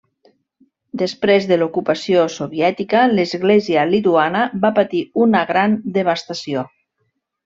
Després de l'ocupació soviètica, l'Església lituana va patir una gran devastació.